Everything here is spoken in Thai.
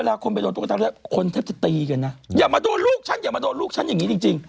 คนไปโดนตุ๊กตาแรกคนแทบจะตีกันนะอย่ามาโดนลูกฉันอย่ามาโดนลูกฉันอย่างนี้จริงจริง